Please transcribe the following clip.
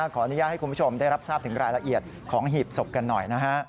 ขออนุญาตให้คุณผู้ชมได้รับทราบถึงรายละเอียดของหีบศพกันหน่อยนะฮะ